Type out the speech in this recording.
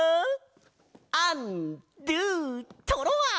アンドゥトロワ！ホホホ！